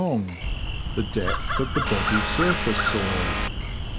long (the depth of the boggy surface soil).